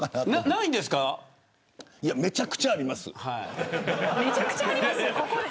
めちゃくちゃあります。